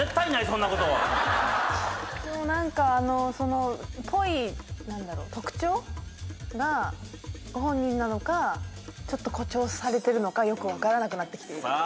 そんなことはでも何かあのそのっぽい何だろう特徴がご本人なのかちょっと誇張されてるのかよく分からなくなってきているさあ